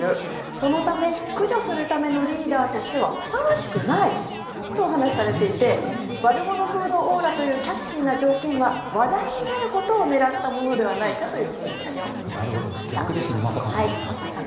そのため駆除するためのリーダーとしてはふさわしくないとお話しされていて悪者風のオーラというキャッチーな条件は話題になることを狙ったものではないかという逆ですね、まさかの。